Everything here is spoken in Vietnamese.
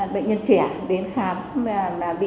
bệnh nhân trẻ đến khám mà bị bệnh lý tim mạch rất là nhiều